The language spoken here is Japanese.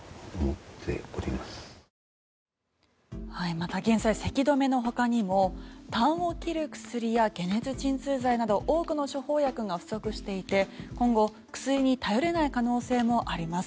また現在、せきどめの他にもたんを切る薬や解熱鎮痛剤など多くの処方薬が不足していて今後、薬に頼れない可能性もあります。